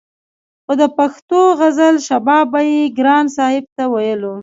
خو د پښتو غزل شباب به يې ګران صاحب ته ويلو